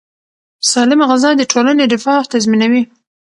سالمه غذا د ټولنې رفاه تضمینوي.